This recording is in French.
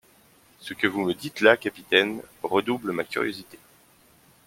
Ce que vous me dites là, capitaine, redouble ma curiosité.